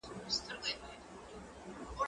زه پرون د ښوونځی لپاره امادګي نيولی!.